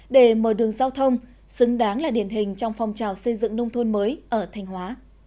để mở đường giao thông xứng đáng là điển hình trong phong trào xây dựng nông thôn mới ở thanh hóa